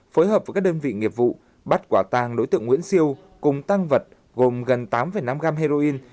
phối hợp với các đơn vị nghiệp vụ bắt quả tàng đối tượng nguyễn siêu cùng tăng vật gồm gần tám năm gram heroin